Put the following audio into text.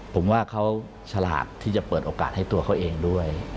ผมว่าเขาฉลาดที่จะเปิดโอกาสให้ตัวเขาเองด้วย